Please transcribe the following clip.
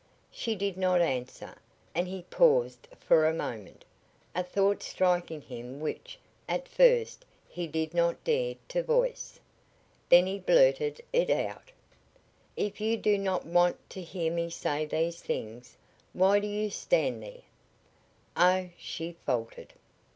She did not answer, and he paused for a moment, a thought striking him which at first he did not dare to voice. Then he blurted it out. "If you do not want to hear me say these things, why do you stand there?" "Oh," she faltered.